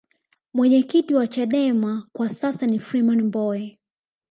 mwenyekiti wa chadema kwa sasa ni freeman mbowe